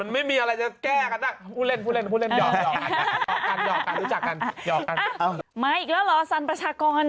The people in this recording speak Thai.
มาอีกแล้วเหรอสันประชากร